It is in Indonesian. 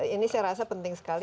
ini saya rasa penting sekali